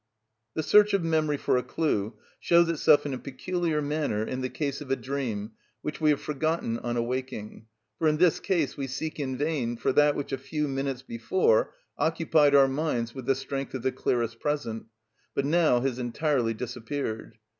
The search of memory for a clue shows itself in a peculiar manner in the case of a dream which we have forgotten on awaking, for in this case we seek in vain for that which a few minutes before occupied our minds with the strength of the clearest present, but now has entirely disappeared.